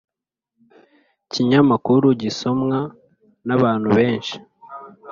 kinyamakuru gisomwa n abantu benshi